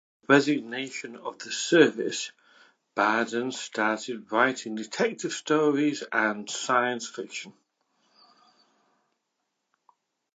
After the resignation of the service Bardhan started writing detective stories and science fiction.